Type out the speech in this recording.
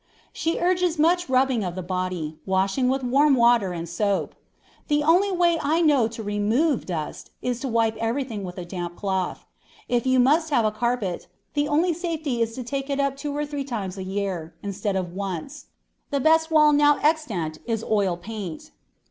She urges much rubbing of the body, washing with warm water and soap. "The only way I know to remove dust, is to wipe everything with a damp cloth.... If you must have a carpet, the only safety is to take it up two or three times a year, instead of once.... The best wall now extant is oil paint."